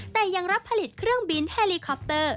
แต่ยังรับผลิตเครื่องบินแฮลีคอปเตอร์